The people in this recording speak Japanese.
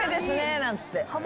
なんつって。